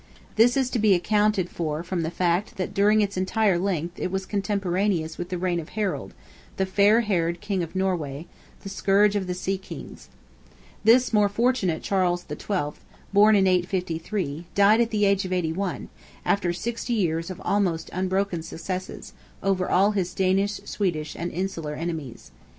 This is to be accounted for from the fact, that during its entire length it was contemporaneous with the reign of Harold, "the Fair haired" King of Norway, the scourge of the sea kings. This more fortunate Charles XII., born in 853, died at the age of 81, after sixty years of almost unbroken successes, over all his Danish, Swedish, and insular enemies.